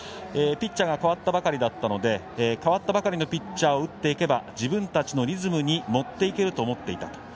ピッチャーが代わったばかりだったので代わったばかりのピッチャーを打っていけば自分たちのリズムに持っていけると思っていた。